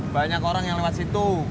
banyak orang yang lewat situ